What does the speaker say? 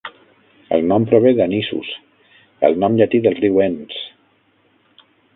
El nom prové d'"Anisus", el nom llatí del riu Enns.